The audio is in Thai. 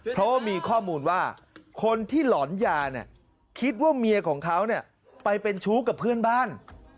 เพราะว่ามีข้อมูลว่าคนที่หลอนยาเนี่ยคิดว่าเมียของเขาไปเป็นชู้กับเพื่อนบ้าน